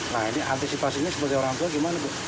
nah ini antisipasinya sebagai orang tua gimana bu